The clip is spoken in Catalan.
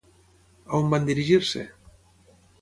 A on van dirigir-se?